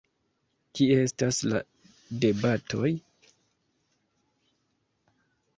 Kie estas la debatoj?